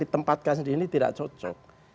ditempatkan sendiri tidak cocok